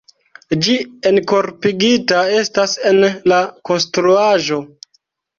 Ĝi enkorpigita estas en la konstruaĵo.